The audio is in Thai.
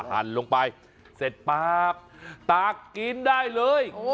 หั่นลงไปเสร็จปั๊บตากกินได้เลย